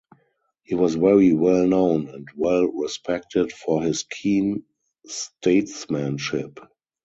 He was very well known and well respected for his keen statesmanship.